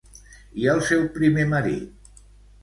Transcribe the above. I el seu primer marit?